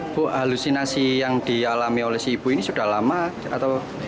bu halusinasi yang dialami oleh si ibu ini sudah lama atau